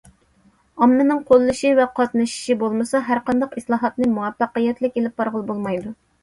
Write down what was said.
ئاممىنىڭ قوللىشى ۋە قاتنىشىشى بولمىسا، ھەرقانداق ئىسلاھاتنى مۇۋەپپەقىيەتلىك ئېلىپ بارغىلى بولمايدۇ.